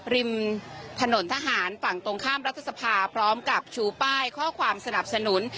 ริมถนนทหารฝั่งตรงข้ามรัฐสภาพร้อมกับชูป้ายข้อความสนับสนุน